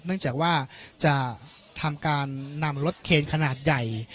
เนื่องจากว่าจะทำการนำรถเคนขนาดใหญ่